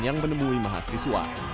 yang menemui mahasiswa